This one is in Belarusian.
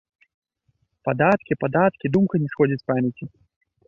Падаткі, падаткі, думка не сходзіць з памяці.